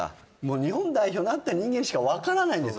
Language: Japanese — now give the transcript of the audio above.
日本代表になった人間にしか分からないんですよ